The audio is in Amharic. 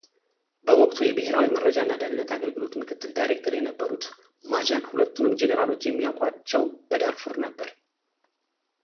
በወቅቱ የብሔራዊ መረጃና ደኅነት አገልግሎት ምክትል ዳይሬክተር የነበሩት ማጃክ ሁለቱንም ጄነራሎች የሚያውቋቸው በዳርፉር ነበር።